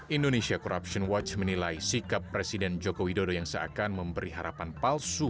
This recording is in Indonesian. indonesia corruption watch menilai sikap presiden joko widodo yang seakan memberi harapan palsu